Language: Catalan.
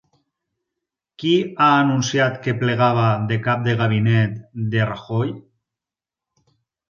Qui ha anunciat que plegava de cap de gabinet de Rajoy?